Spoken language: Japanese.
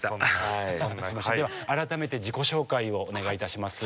では改めて自己紹介をお願いいたします。